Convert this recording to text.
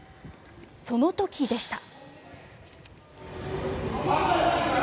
その時でした。